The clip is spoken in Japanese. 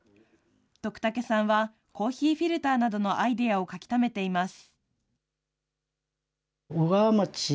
徳竹さんは、コーヒーフィルターなどのアイデアを書きためています。